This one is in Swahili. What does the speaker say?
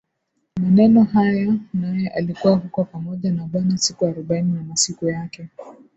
maneno haya naye alikuwa huko pamoja na Bwana siku arobaini na masiku yake